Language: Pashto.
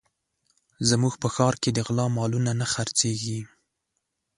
زموږ په ښار کې د غلا مالونه نه خرڅېږي